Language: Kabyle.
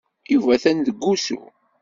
Yuba atan deg wusu.